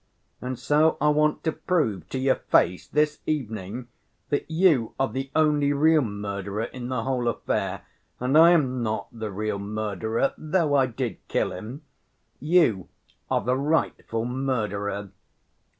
And so I want to prove to your face this evening that you are the only real murderer in the whole affair, and I am not the real murderer, though I did kill him. You are the rightful murderer."